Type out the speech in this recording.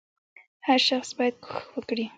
• هر شخص باید کوښښ وکړي.